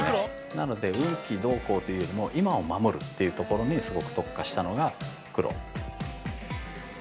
なので運気どうこうというよりも今を守るというところにすごく特化したのが黒。